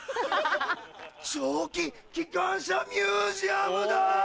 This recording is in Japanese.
蒸気機関車ミュージアムだ！